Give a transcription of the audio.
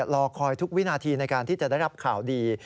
รอคอยทุกวินาทีในการที่จะได้รับข่าวดี